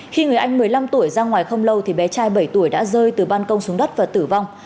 khi người anh một mươi năm tuổi ra ngoài không lâu thì bé trai bảy tuổi đã rơi từ ban công xuống đất và tử vong